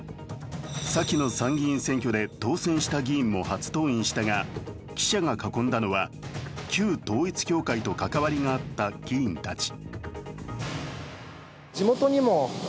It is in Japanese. さきの参議院選挙で当選した議員も初登院したが記者が囲んだのは旧統一教会と関わりがあった議員たち。